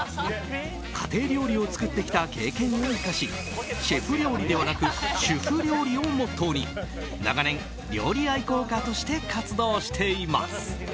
家庭料理を作ってきた経験を生かしシェフ料理ではなく主婦料理をモットーに長年、料理愛好家として活動しています。